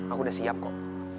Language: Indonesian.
aku udah siap kok